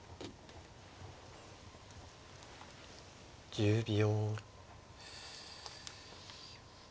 １０秒。